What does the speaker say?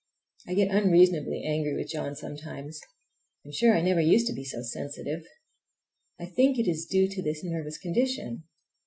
I get unreasonably angry with John sometimes. I'm sure I never used to be so sensitive. I think it is due to this nervous condition.